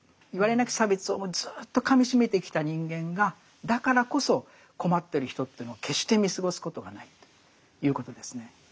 なき差別をずっとかみしめてきた人間がだからこそ困ってる人というのを決して見過ごすことがないということですね。